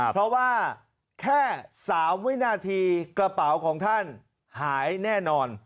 เพราะว่าแค่๓วินาทีกระเป๋าของท่านหายแน่นอน